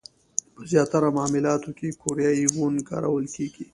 په زیاتره معاملاتو کې کوریايي وون کارول کېږي.